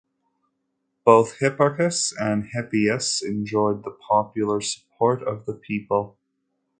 Both Hipparchus and Hippias enjoyed the popular support of the people.